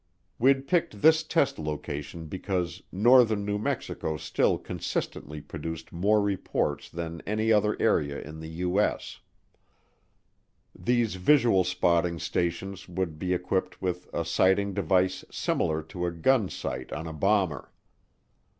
We'd picked this test location because northern New Mexico still consistently produced more reports than any other area in the U.S. These visual spotting stations would be equipped with a sighting device similar to a gun sight on a bomber.